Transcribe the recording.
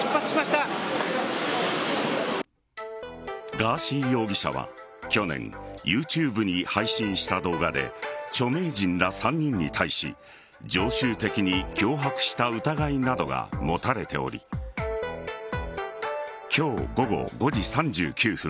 ガーシー容疑者は去年ＹｏｕＴｕｂｅに配信した動画で著名人ら３人に対し常習的に脅迫した疑いなどが持たれており今日午後５時３９分